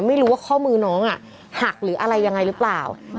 ไม่รู้ว่าข้อมือน้องหักหรืออะไรยังไงหรือเปล่า